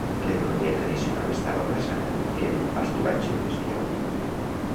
L'economia tradicional estava basada en el pasturatge de bestiar oví.